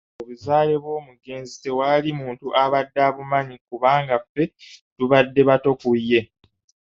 Obuzaale bw'omugenzi tewali muntu abumanyi kubanga ffe tubadde bato ku ye.